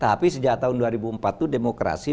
tapi sejak tahun dua ribu empat itu demokrasi